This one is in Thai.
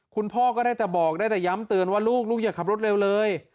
คุณพ่อก็ได้แต่บอกได้แต่ย้ำเตือนว่าลูกอย่าขับรถเร็วเลย